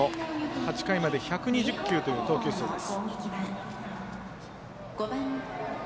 ８回まで１２０球という投球数です。